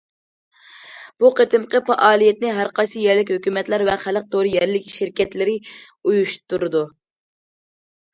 بۇ قېتىمقى پائالىيەتنى ھەر قايسى يەرلىك ھۆكۈمەتلەر ۋە خەلق تورى يەرلىك شىركەتلىرى ئۇيۇشتۇرىدۇ.